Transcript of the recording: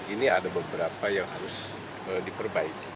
ini ada beberapa yang harus diperbaiki